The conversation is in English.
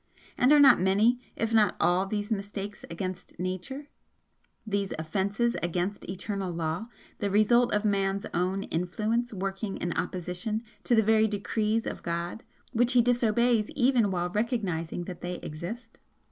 And are not many, if not all these mistakes against Nature, these offences against eternal Law, the result of Man's own 'influence' working in opposition to the very decrees of God, which he disobeys even while recognising that they exist?